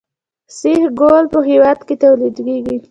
سیخ ګول په هیواد کې تولیدیږي